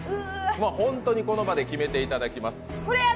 本当にこの場で決めていただきます。